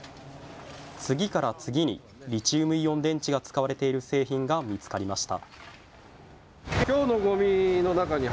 次から次にリチウムイオン電池が使われている製品が見つかりました。